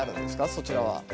そちらは。